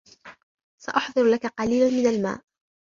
سأحضر لك قليلا من الماء.